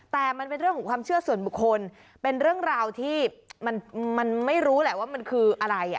แต่มันเป็นเรื่องของความเชื่อส่วนบุคคลเป็นเรื่องราวที่มันไม่รู้แหละว่ามันคืออะไร